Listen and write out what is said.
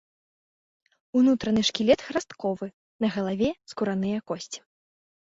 Унутраны шкілет храстковы, на галаве скураныя косці.